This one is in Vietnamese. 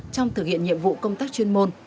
trong thực hiện nhiệm vụ công tác chuyên môn